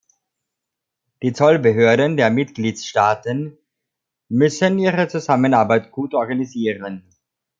Die Zollbehörden der Mitgliedstaaten müssen ihre Zusammenarbeit gut organisieren.